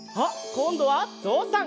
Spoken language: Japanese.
こんどはぞうさん！